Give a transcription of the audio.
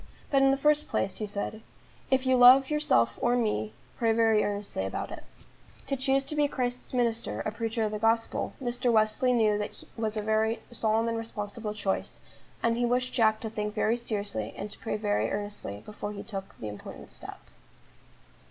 "But in the first place," he said, "if you love yourself or me, pray very earnestly about it." To choose to be Christ's minister, a preacher of the gospel, Mr. Wesley knew was a very solemn and responsible choice, and he wished Jack to think very seriously, and to pray very earnestly before he took the important step.